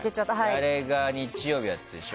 あれが日曜日だったでしょ。